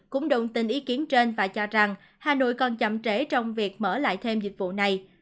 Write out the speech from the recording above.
cũng đồng tình ý kiến trên và cho rằng hà nội còn chậm trễ trong việc mở lại thêm dịch vụ này